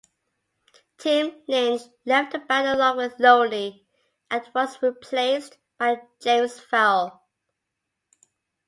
Tim Lynch left the band along with Loney and was replaced by James Farrell.